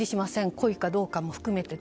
故意かどうかも含めて。